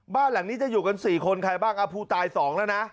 บ้านหลังนี้จะอยู่กัน๔คนใครบ้างผู้ตาย๒แล้วนะ